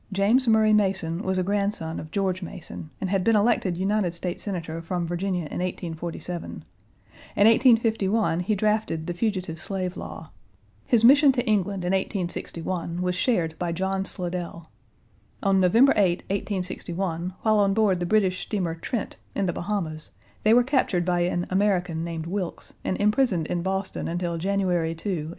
James Murray Mason was a grandson of George Mason, and had been elected United States Senator from Virginia in 1847. In 1851 he drafted the Fugitive Slave Law. His mission to England in 1861 was shared by John Slidell. On November 8, 1861, while on board the British steamer Trent, in the Bahamas, they were captured by an American named Wilkes, and imprisoned in Boston until January 2, 1862.